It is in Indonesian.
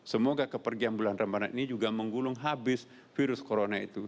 semoga kepergian bulan ramadhan ini juga menggulung habis virus corona itu